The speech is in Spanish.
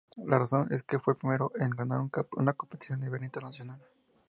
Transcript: La razón es que fue el primero en ganar una competición a nivel internacional.